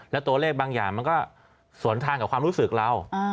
แล้วตัวเลขบางอย่างมันก็สวนทางกับความรู้สึกเรา